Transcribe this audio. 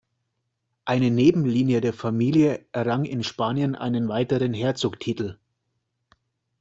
Eine Nebenlinie der Familie errang in Spanien einen weiteren Herzogstitel.